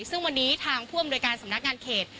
ซึ่งวันนี้ทางผู้อำนวยการสำนักงานเขต